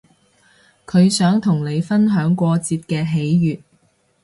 佢想同你分享過節嘅喜悅